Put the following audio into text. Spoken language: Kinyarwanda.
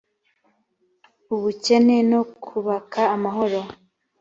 ubukene no kubaka amahoro